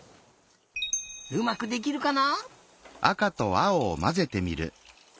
うまくできるかな？